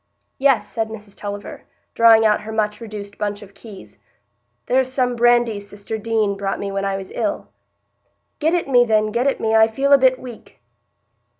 "Yes," said Mrs Tulliver, drawing out her much reduced bunch of keys, "there's some brandy sister Deane brought me when I was ill." "Get it me, then; get it me. I feel a bit weak."